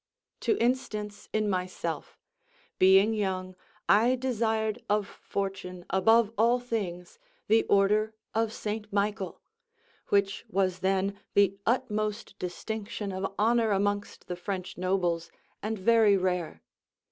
To instance in myself: being young, I desired of fortune, above all things, the order of St. Michael, which was then the utmost distinction of honour amongst the French nobles, and very rare.